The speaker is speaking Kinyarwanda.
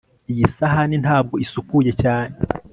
Iyi sahani ntabwo isukuye cyane